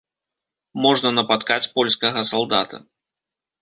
Можна напаткаць польскага салдата.